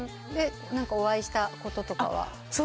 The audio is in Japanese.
お会いしたこととかは？